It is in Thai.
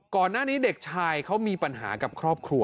มาต์ศิลป์นี่เด็กชายเค้ามีปัญหากับครอบครัว